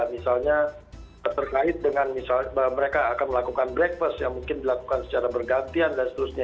misalnya terkait dengan misalnya mereka akan melakukan breakfast yang mungkin dilakukan secara bergantian dan seterusnya